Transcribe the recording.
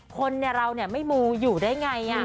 คนเราเนี่ยไม่มูอยู่ได้ไงอะ